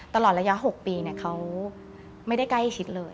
ตลอดระยะ๖ปีเขาไม่ได้ใกล้ชิดเลย